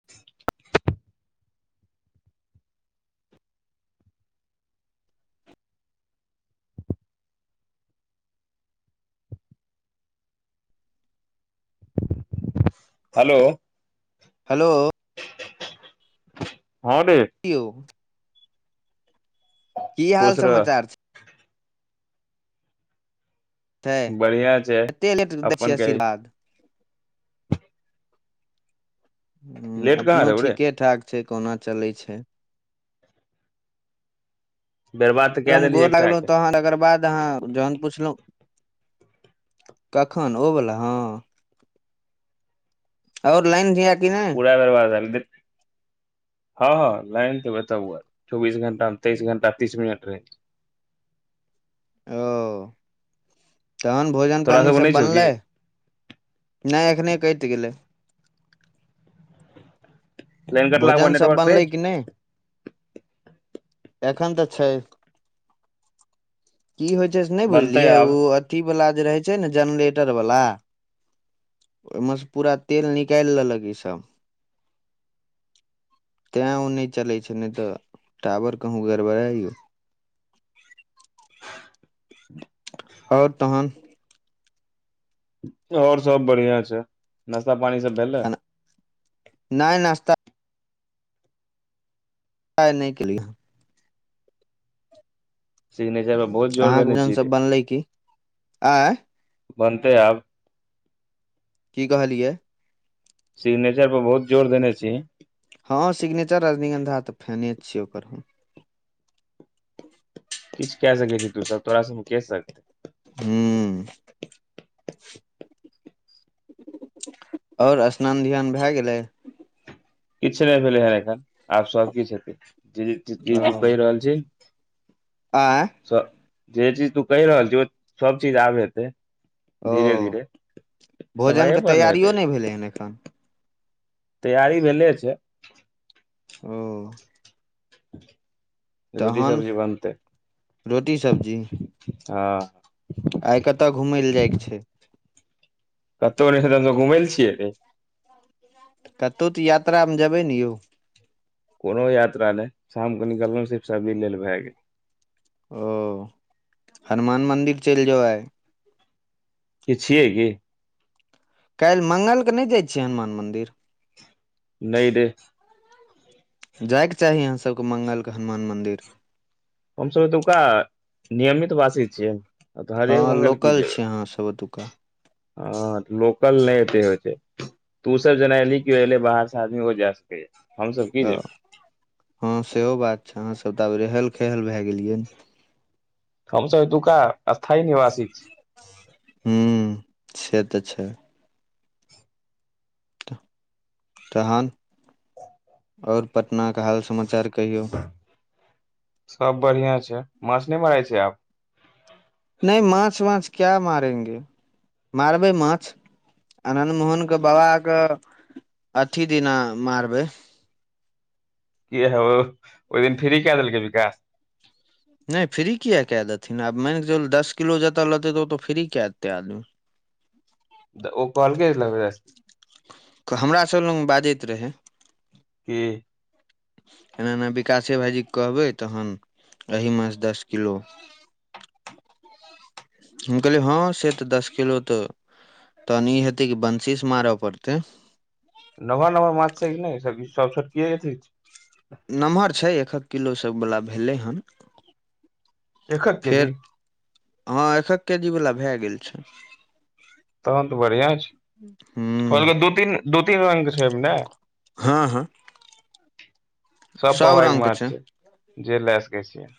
[inaudible] Hello hello हँ रे कियो की हाल खुश रह समाचार छै छै बढ़िया छै कते लेट दै अपन छियै कही आशीर्वाद हँ लेट कहाँ अपनो रहौ रे ठीके ठाक छै कोहुना चलै छै बेरबाद एकगम गोड़ लागलहुँ तहन एकर बाद [unintelligible] जहन पुछलहु कखन ओ वला हँ आओ लइन छै कि नहि थोड़ा देर बाद आयल दि हँ हँ लाइन ते बताब चौबीस घंटा मे तेइस घंटा तीस मिनट रहे ओ तहन भोजन तोरा सबके पानिसभ नहि छौ की बनलै नहि एखने कटि गेलै लाइन कटलाक के बाद भोजन सभ नेटवर्क रहै बनलै छौ कि नहि एखन तऽ छै की होइ छै से नहि बनतै बुझलियै ओ आब अथीवला जे रहै छै ने जेनरेटरवला ओहिमे सँ पूरा तेल निकालि लेलक ईसभ तैँ ओ नहि चलै छै नहि तऽ टावर कहूँ गड़बड़ाइ यौ आओर तहन आओर सब बढ़िया छै नशा पानी सब भेलै खाना नहि नास्ता नहि केेलिया सिग्नेचर पर बहुत जोर अहाँके देने भोजन छी सब की बनलै आँय बनते है आब की कहलियै सिग्नेचर पर बहुत जोर देने छीही हँ सिग्नेचर रजनीगन्धा तऽ फेने छियै ओकर [inaudible] किछ क सकै क तू सब तोरा सब मे के सकतै हँ आओर स्नान ध्यान भए गेलै किछु नहि भेलै हेन एखन आब सबकछु हेतैी जी ओ तू कहि रहल छी आँय जे चीज तू कहि रहल छ सब चीज आब हेतै ओ धीरे धीरे समये भोजनके पर ने तैयारियो हतै नहि भेलै हन एखन तैयारी भेले छै ओ रोटी तहन सब्जी बनतै रोटी सब्जी हँ आइ कतय घुमय लए जायके छै कतहु नहि हम त घुम लए छियैे कतहु तऽ यात्रामे जेबै ने यौ कोनो यात्रा नहि शाम के निकलल सिर्फ सबजी लेल भए गेल ओ हनुमान मन्दिर चलि जो आय किछ छियै की काल्हि मङ्गलकेँ नहि जाइ छियै हनुमान मन्दिर नहि रे जाइके चाही अहाँ सभके मंगल क हनुमान मन्दिर हमसब एतुका नियमित वासी छियै तऽ हँ हरेक मंगल लोकल छै आहाँ सब ओतुका ह लोकल नहि एते होइ छै तू सब जेना एली क एले बाहर से आदमी ओ जा सकै हमसब त हँ सेहो बात छै अहाँसभ तऽ आब रहल खहल भए गेलियै ने हमसभ एतुका स्थायी निवासी छी ह्म से तऽ छै तहन और पटना के हाल समाचार कहियौ सब बढ़ियाॅं छै माछ नहि मारै छै आब नहि माछ वाछ क्या मारेंगे मारबै माछ आन्नद मोहनके बाबाके अथी दिना मारबै कि हो ओहि दिन फ्री के देलकै विकास नहि फ्री किए कए देथिन आब मान कऽ चलू दस किलो जतय लेतै तऽ ओतऽ फ्री कए देतै आदमी त ओ कहलकै लबै स ऽ हमरा सभ लग बाजैत रहै की एना एना विकासे भाइजीके कहबै तहन अही मछ दस किलो [unintelligible] हम कहलिए हँ से तऽ दश किलो तऽ तहन ई हेतै की बंशी से मारऽ पड़तै नम्हर नम्हर माछ छै की नहि सभ छोटकीय हेतै की नमहर छै एक एक किलो सभवला भेलै हन एकक फेर केजी हँ एकक केजी वला भए गेल छै तहन तऽ बढ़ियां छै हूँ कहलकै दू तीन दू तीन रंग छै ने हँ हँ सब पवाइ के माछ छै जे लए सकै छियै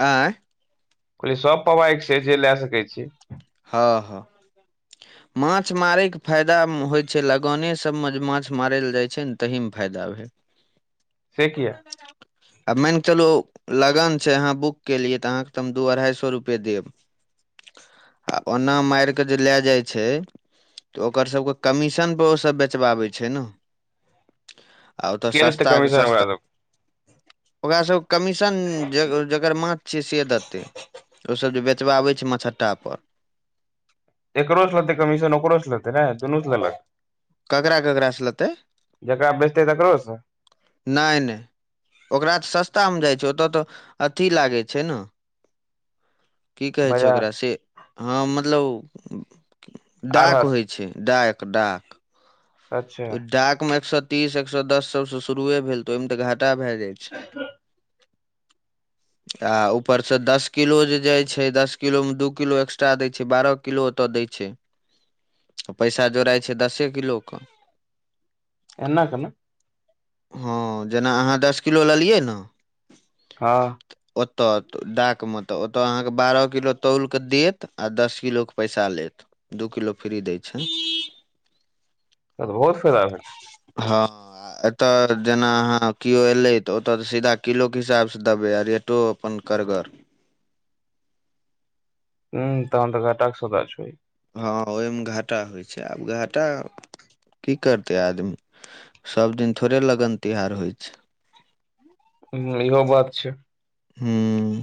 आँय कहलियै सब पबाइक छै जे लए सकै छियै हँ ह [inaudible] माछ मारयके फायदा होइत छै लगने सभमे जे माछ मारय ल जाइ छै ने तहीमे फायदा भेल से किया आ मानि कऽ चलू लगन छै अहाँ बुक केलियै तऽ अहाँके त हम दू अढ़ाई सौ रुपैए देब आ ओना मार के जे लए जाइ छै तऽ ओकर सभके कमीशनपे ओसभ बेचबाबै छै ने आ ओ तऽ के देतै सस्ताके कमीशन ओकरा सस्ता ओकरासभ कमीशन जे जकर माछ छियै से देतै ओसभ जे बेचबाबै छै मछट्टा पर एकरो से होतै कमीशन ओकर से लेतै नहि दुनू सँ लेलक कगरा कगरा स लैतय जकरा बेचतै तकरोसँ नहि नहि ओकरा तऽ सस्तामे जाइ छै ओतय तऽ अथी लागै छै न की कहै छै बाजार ओकरा से हँ मतलब डाक आढ़त होइ छै डाक डाक अच्छा ओ डाक मे एक सौ तीस एक सौ दस सब से शुरुए भेल तऽ ओहिमे तऽ घाट टा भए जाइ छै [inaudible] आ ऊपर से दस किलो जे जाय छै दस किलो मे दू किलो एक्स्ट्रा दै छै बारह किलो ओत दै छै [unintelligible] पैसा जोड़ाइ छै दसे किलोके एना केना हँ जेना अहाँ दस किलो लेलियै ने हँ ओतय डाकमे तऽ ओतय अहाँकेँ बारह किलो तौलकेऽ देत आ दस किलोके पैसा लेत ऽ दू किलो फ्री दै छै तऽ बहुत फायदा भेटतै हँ एतय जेना अहाँ केओ एयलै तऽ ओतय तऽ सीधा किलोके हिसाबसँ देबै आ रेटो अपन करगर हुँ तहन तऽ घाटाक सोदा छय हँ ओहिमे घाटा होइ छै आब घाटा की करतै आदमी सब दिन थोड़े लगन तिहार होइ छै ह्म इहो बात छै ह्म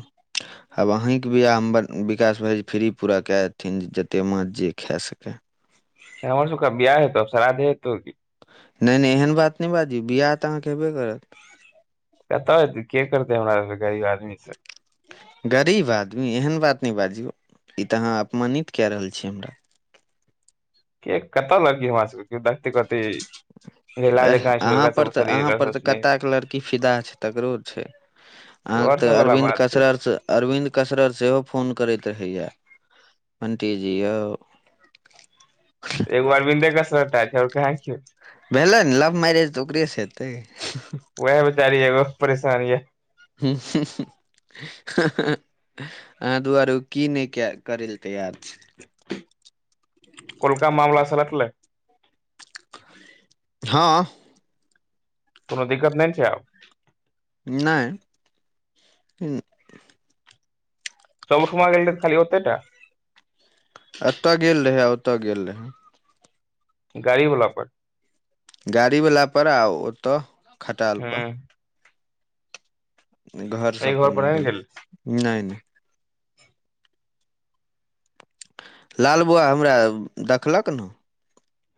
आब अहींके बियाहमे विकास भाइजी फ्री पूरा कए देथिन जतेक माछ जे खे सकए हमर सबके आब बियाह हेतै आब शराधे हेतै की। नहि नहि एहन बात नहि बाजी बियाह तऽ अहाँके हेबे करत करतै के करतै हमरा आर सन गरीब आदमी से गरीब आदमी एहन बात नहि बाजियौ ई तऽ अहाँ अपमानित कए रहल छी हमरा। के कतय लगतै हमरा सबके केयो देखतै कहतै। ऐह अहाँ पर तऽ अहाँ पर सब तऽ स्नेह कताके लड़की फिदा छै तकरो छै अहाँके तोहर तऽ सब वाला अरविन्द बात छै कचरारच अरविन्द कसरर सेहो फोन करैत रहैया अंटी जी यौ एक बार बिन्दे [unintelligible] कसरत व कहाँ किछ भेलै ने लव मैरेज तऽ ओकरेसँ हेतै। वएह बेचारी एगो परेशान ये हूँ हऽ [inaudible] अहाँ दुआरे ओ की नहि करै लए तैयार छै कोलका मामला सलटलै हँ कोनो दिक्कत नहि ने छै आब नहि चौमुखमा गेलियै की खाली ओतैटा अतऽ गेल रहै आ ओतऽ गेल रहय गाड़ीवला पर गाड़ीवलापर आ ओतऽ ह खटालपर घर सब पर नहि गेलै नहि नहि लालबौआ हमरा दखलक ने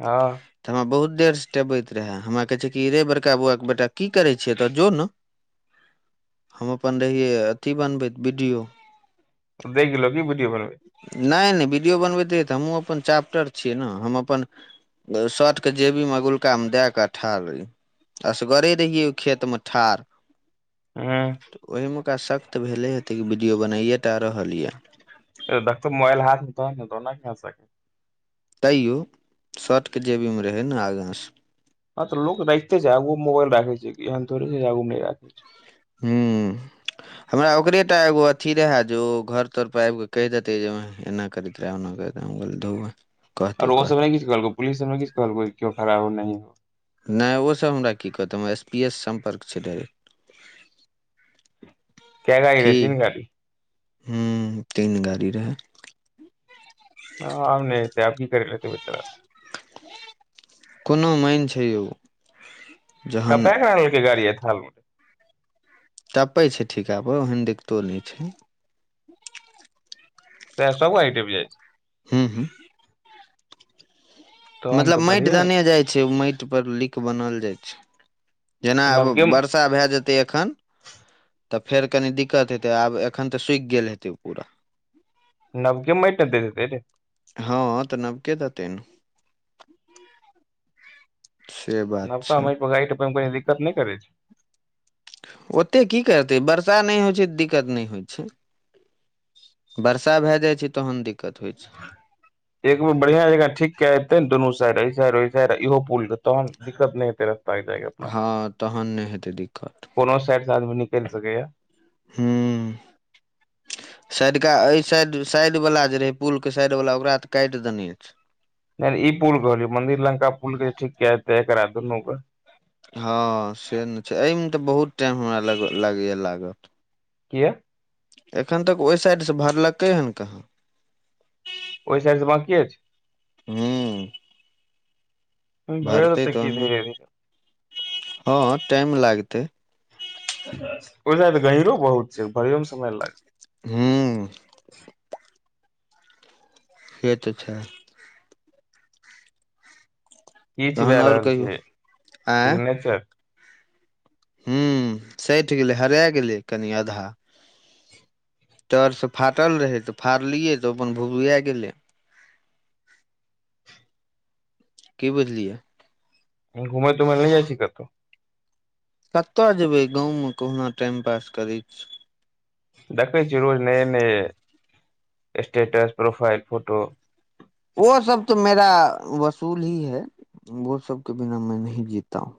हँ तऽ हमरा बहुत देरसँ टेबैत रहए हमरा कहै छै कि रे बड़का बौआके बेटा की करै छीही एतऽ जो ने [inaudible] हम अपन रहियै अथी बनबैत बीडियो देख लेलक की वीडियो बनबैत नहि नहि वीडियो बनबैत रहियै तऽ हमहूँ अपन चाप्टर छियै ने हम अपन शर्टके जेबीमे अगुलकामे दए कऽ आ ठाड़ रहियै असगरे रहियै ओहि खेतमे ठाड़ ह तऽ ओहिमेका सक तऽ भेले हेतै कि वीडियो बनाइए टा रहल यए ऐह देखतै मोबइल हाथमे तहन ने तऽ ओना केना सक तैयो शर्टके जेबीमे रहै ने आगाँस हँ तऽ लोक राखिते छै आगू मोबाइल राखै छै ऐहन थोरे छै जे आगू मे नहि राखै छै हूँ हमरा ओकरे टा एगो अथी रहए जे ओ घर तरपर आबि कऽ कहि देतै जेमैह एना करैत रहे ऑना करैत रहै हम कहलियै धउ बंहि आओर ओ सब नै किछ कहलकोउ पुलीस सब नै किछ कहलकौ क्यों खरा हो नहीं हो नहि ओसभ हमरा की कहतै हमरा एस पी ए सँ सम्पर्क छै डाइरेक्ट कै गाड़ी रहै तीन गाड़ी हूँ तीन गाड़ी रहै हँ आम नहि हेतय आब की करि लेतै बेचारा सब कोनो मैनि छै यौ जहन कतऽ मेहैलैलकै गाड़ी अइ थाल मे टपै छै ठीका पर ओहन दिक्कतो नहि छै तें से सब आइ डूब जाइ छै हूँ हूँ तहन मतलब तऽ माटि बढ़िये देने जाइ छै ओ माटि पर लिक बनल जाइ छै जेना आब बर नबके बरसा भए जेतै एखन तऽ फेर कनी दिक्कत हेतै आब एखन तऽ सुखि गेल हेतै ओ पूरा नवके मैट त दैत हेत् हँ तऽ नवके देते ने से बात नबका छै माइट प गाइट मे को दिक्कत नहि करै छै ओते की करतै वर्षा नहि होइत छै तऽ दिक्कत नहि होइत छै वर्षा भए जाइ छै तहन दिक्कत होइत छै एकगो बढ़ियां जकं ठीक कय जेते दुनू साइड ऐ साइड ऊ साइड इहो पुल के तहन दिक्कत नै हेतै रस्ता जाय के अपना हँ तहन नहि हेतै दिक्कत कोनो साइड से आदमी निकलि सकै या हूँ साइडका एहि साइड साइड वला जे रहे पुल के साइड वला ओकरा तऽ काटि देने अछि नहि ई पुल कहलियै मन्दिर लंका पुल के ठीक कै देते एकरा दुनू के हँ से ने छै एहिमे तऽ बहुत टाइम हमरा लग लगैए लागत किया एखन तक ओहि साइडसँ भरलकै हँ कहाँ ओहि साइड स बाँकीऐ छै हूँ भरि भरतै देतै की तहने धीरे धीरे हँ टाइम लागतै ओइ साइड त गहींरो बहुत छै भरियो मे समय लागते हूँ से तऽ छै किछु भए तहन आओर रहल कहियौ छै आँय सिग्नेचर हूँ सठि गेलै हरा गेलै कनि आधा तरसँ फाटल रहै तऽ फाड़लियै तऽ अपन भुभूआ गेलै की बुझलियै घुमै तुमै ल नहि जाइ छी कतऽ कत जेबै गाँवमे कहुना टाइम पास करैत छी देखै छी रोज नऐ नये स्टेटस प्रोफाइल फोटो ओ सब तऽ मेरा वसूल ही है वो सब के बिना मैं नहीं जीता हू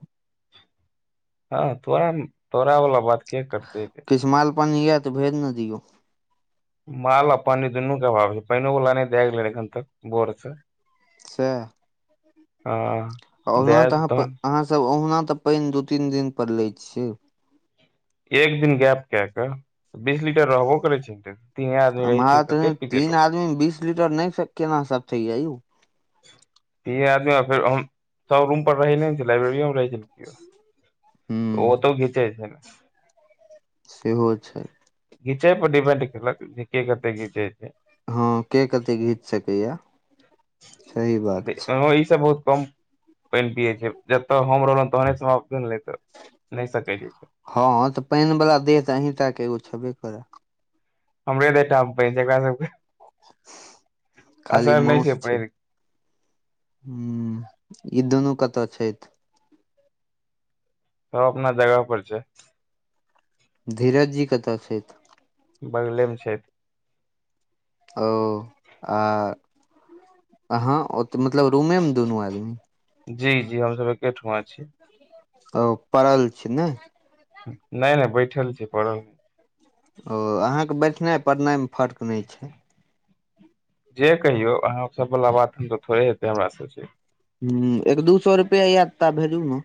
हँ तोरा तोरा बला बात के करते किस माल पानी य तऽ भेज न दियौ माल आ पानि दुनू के अभाव छै पाइनो वला नै दए गेलै एखन तक भोर सँ सह आ ओहुना तऽ अहाँ अहाँसभ ओहुना तऽ पैन दू तीन दिन पर लै छियै एक दिन गैप के क बिजली रहबो करै छै तीन आदमी रहै हमरा छै तऽ नहि कते पितेय तीन लोक बीस लीटर नहि से केना सटय या यौ तीन आदमी फ़ेर हम सब रूम पर रहैे नै ने छै लाइब्रेरीये मे रहै छै ओ हूँ त घीचेय छै सेहो छै घीचै पर दीपेंड कलक जे के कते घीचै छै हँ के कते घीच सकैया सही बात छै हँ ई सब बहुत कम पैन पियै छै जतऽ हम रहलहु तहने समाप्त नहि सकै छै हँ तऽ पानि वला देह तऽ अहींटाके एगो छेबे करै हमरे देहटामे पानि छै एकरा सबके खाली असर नहि छै माउस पानिके हूँ ई दुनू कतऽ छथि सब अपना जगह पर छै धीरजजी कतऽ छैथ बगलेमे छैथ ओ आ अहाँ ओ तऽ मतलब रूमेमे दुनू आदमी जी जी हमसभ एकेठुमा छी ओ पड़ल छी नै नहि नहि बैठल छियै पड़ल नै ओ अहाँके बैठनाइ पड़नाइमे फर्क नहि छै जे कहियौ अहाँ सब वला बात हम तऽ थोड़े हेतै हमरा सबसे ह्म एक दू सौ रुपैया ये तऽ ता भेजू नऽ